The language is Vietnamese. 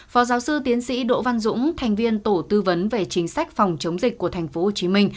phó giáo sư tiến sĩ đỗ văn dũng thành viên tổ tư vấn về chính sách phòng chống dịch của tp hcm